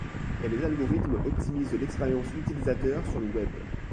Les algorithmes optimisent l'expérience utilisateur sur le web.